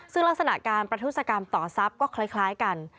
ซึ่งลักษณะการประทุศกรรมต่อทรัพย์ก็คล้ายกัน